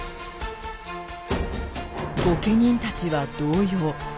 御家人たちは動揺。